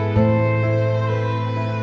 aku mau ke sana